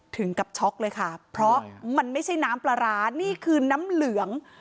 ถึงกับช็อกเลยค่ะเพราะมันไม่ใช่น้ำปลาร้านี่คือน้ำเหลือง